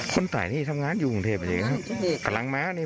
คนไต้นั่นทำงานกันอยู่กันอย่างนี้